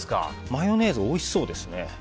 マヨネーズ、おいしそうですね。